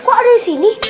kok ada di sini